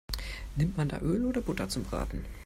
Nimmt man da Öl oder Butter zum Braten?